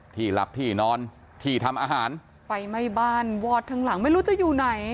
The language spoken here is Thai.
หลับที่นอนที่ทำอาหารไฟไหม้บ้านวอดทั้งหลังไม่รู้จะอยู่ไหน